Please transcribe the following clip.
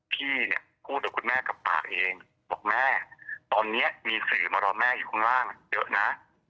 พี่เนี่ยพูดกับคุณแม่กับปากเองบอกแม่ตอนนี้มีสื่อมารอแม่อยู่ข้างล่างเยอะนะ